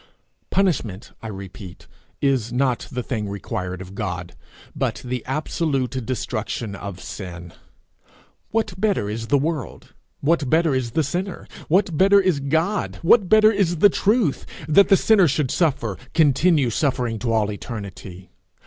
Punishment, I repeat, is not the thing required of God, but the absolute destruction of sin. What better is the world, what better is the sinner, what better is God, what better is the truth, that the sinner should suffer continue suffering to all eternity?